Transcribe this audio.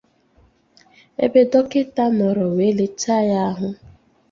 ebe dọkịta nọrọ wee lelechaa ha ahụ